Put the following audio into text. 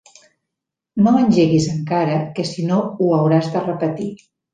No engeguis encara que si no ho hauràs de repetir.